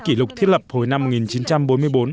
kỷ lục thiết lập hồi năm một nghìn chín trăm bốn mươi bốn